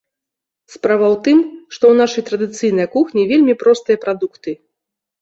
Справа ў тым, што ў нашай традыцыйнай кухні вельмі простыя прадукты.